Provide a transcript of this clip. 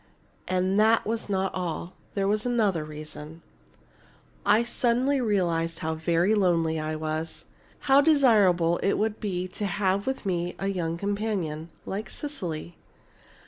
And that was not all there was another reason. "I suddenly realized how very lonely I was, how desirable it would be to have with me a young companion like Cecily.